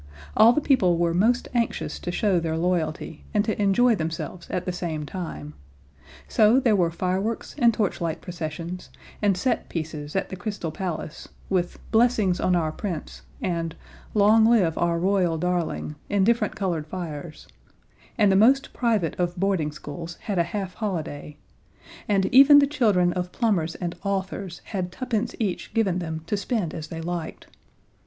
All the people were most anxious to show their loyalty, and to enjoy themselves at the same time. So there were fireworks and torchlight processions, and set pieces at the Crystal Palace, with "Blessings on our Prince" and "Long Live our Royal Darling" in different colored fires; and the most private of boarding schools had a half holiday; and even the children of plumbers and authors had tuppence each given them to spend as they liked.